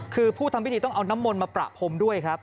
คือผู้ทำพิธีต้องเอาน้ำมนต์มาประพรมด้วยครับ